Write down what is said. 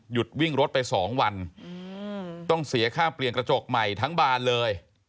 วิ่งรถไป๒วันต้องเสียค่าเปลี่ยนกระจกใหม่ทั้งบานเลย